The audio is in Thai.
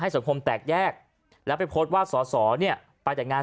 ให้ส่วนพรมแตกแยกแล้วไปโพสต์ว่าสสอเนี่ยไปจากงาน